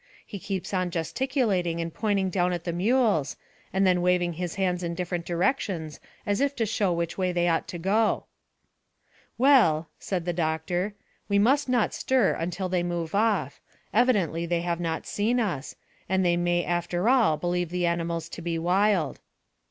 He keeps on gesticulating and pointing down at the mules, and then waving his hands in different directions as if to show which way they ought to go." "Well," said the doctor, "we must not stir until they move off. They evidently have not seen us, and they may after all believe the animals to be wild."